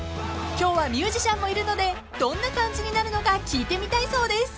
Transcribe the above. ［今日はミュージシャンもいるのでどんな感じになるのか聴いてみたいそうです］